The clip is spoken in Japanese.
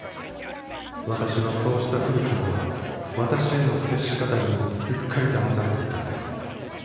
「私はそうした古木の私への接し方にすっかり騙されていたんです」